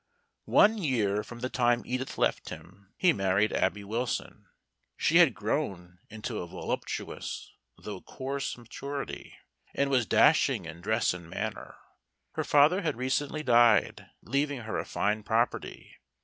One year from the time Edith left him, he married Abby Wilson. She had grown into a voluptuous though coarse maturity, and was dashing in dress and manner. Her father had recently died, leaving her a fine property.